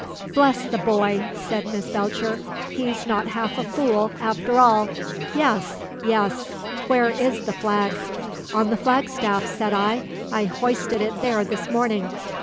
"Bless the boy," said Miss Belcher; "he's not half a fool, after all! Yes, yes where is the flag?" "On the flagstaff," said I. "I hoisted it there this morning."